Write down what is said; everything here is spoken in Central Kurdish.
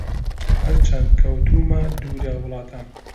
هەرچەن کەوتوومە دوورە وڵاتان